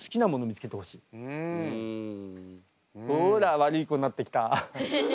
ほら悪い子になってきた。